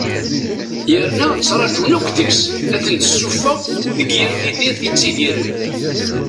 Yerna ttrajun akk deg-s ad ten-tessuffeɣ deg yir tudert i ttidiren.